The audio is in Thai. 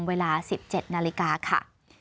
เวลา๑๗นาฬิกาค่ะ